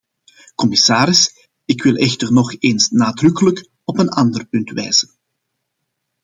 Commissaris, ik wil echter nog eens nadrukkelijk op een ander punt wijzen.